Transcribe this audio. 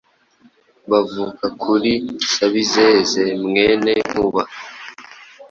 bavuka kuri Sabizeze, mwene Nkuba, "